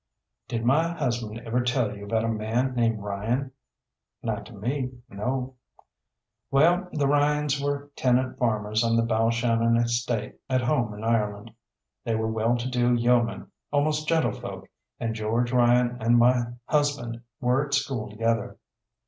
"Did my husband ever tell you about a man named Ryan?" "Not to me no." "Well, the Ryans were tenant farmers on the Balshannon Estate, at home in Ireland. They were well to do yeomen, almost gentlefolk, and George Ryan and my husband were at school together.